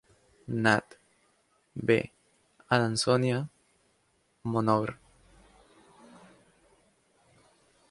Nat., B, Adansonia; Monogr.